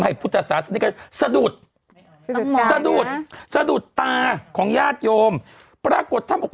พุทธศาสนิกชนสะดุดสะดุดสะดุดตาของญาติโยมปรากฏท่านบอก